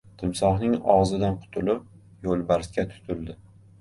• Timsohning og‘zidan qutulib, yo‘lbarsga tutildi.